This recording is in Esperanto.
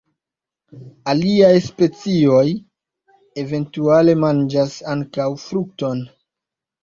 Aliaj specioj eventuale manĝas ankaŭ frukton.